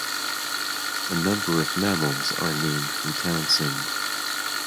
A number of mammals are named for Townsend.